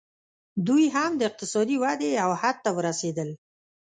دوی هم د اقتصادي ودې یو حد ته ورسېدل